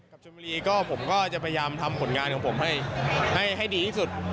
ชนบุรีก็ผมก็จะพยายามทำผลงานของผมให้ดีที่สุด